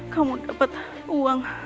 kamu dapat uang